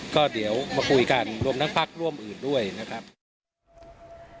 ก็เดี๋ยวมาคุยกันรวมทั้งพักร่วมอื่นด้วยนะครับ